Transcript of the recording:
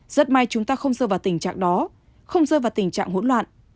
rất may chúng ta không rơ vào tình trạng đó không rơ vào tình trạng hỗn loạn